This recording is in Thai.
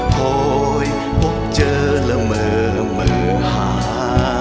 โภยพบเจอแล้วเหมือเหมือหา